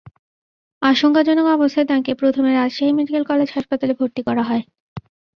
আশঙ্কাজনক অবস্থায় তাঁকে প্রথমে রাজশাহী মেডিকেল কলেজ হাসপাতালে ভর্তি করা হয়।